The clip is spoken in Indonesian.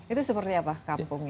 itu seperti apa kampungnya